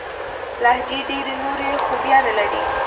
لهجې ډېري نوري خوباياني لري.